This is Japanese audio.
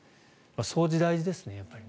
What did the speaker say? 掃除、大事ですね。